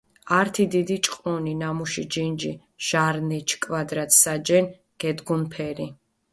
ართი დიდი ჭყონი, ნამუში ჯინჯი ჟარნეჩი კვადრატ საჯენ გედგუნფერი.